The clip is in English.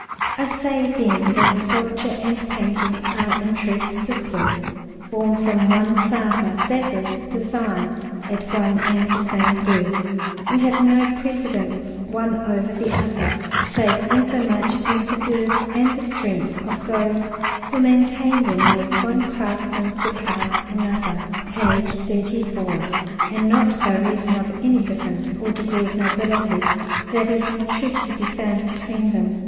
I say, then, that sculpture and painting are in truth sisters, born from one father, that is, design, at one and the same birth, and have no precedence one over the other, save insomuch as the worth and the strength of those who maintain them make one craftsman surpass another, and not by reason of any difference or degree of nobility that is in truth to be found between them.